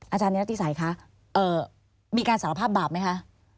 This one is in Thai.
อาจารยติสัยคะมีการสารภาพบาปไหมคะ